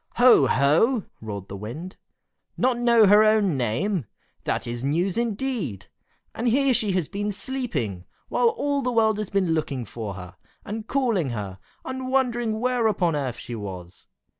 "Ho! ho!" roared the Wind. "Not know her own name? That is news, indeed! And here she has been sleeping, while all the world has been looking for her, and calling her, and wondering where upon earth she was.